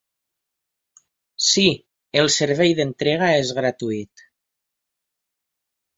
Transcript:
Si, el servei d'entrega és gratuït.